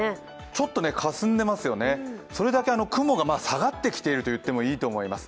ちょっとかすんでますよね、それだけ雲が下がってきてると言っていいと思います。